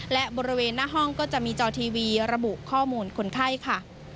และบริเวณหน้าห้องก็จะมีจอทีวีระบุข้อมูลคนไข้ค่ะ